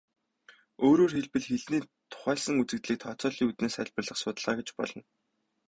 Өөрөөр хэлбэл, хэлний тухайлсан үзэгдлийг тооцооллын үүднээс тайлбарлах судалгаа гэж болно.